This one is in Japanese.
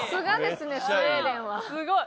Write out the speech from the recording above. すごい。